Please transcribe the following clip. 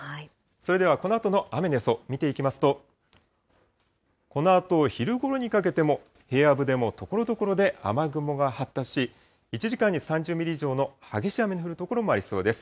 それではこのあとの雨の予想、見ていきますと、このあと昼ごろにかけても、平野部でもところどころで雨雲が発達し、１時間に３０ミリ以上の激しい雨の降る所もありそうです。